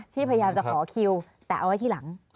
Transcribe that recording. พยายามจะขอคิวแต่เอาไว้ที่หลัง